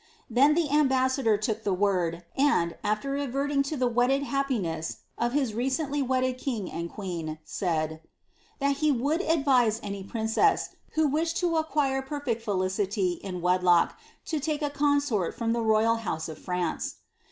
Then the ambassador took the word, and, after adverting to the wedded happiness of his recently wedded king and queen, said, " ihal he would advise any princess, who wished lo acquire perfect felicity in wedlock, lo lake a consort from the royal house of France."